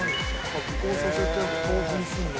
発酵させて豆腐にするの？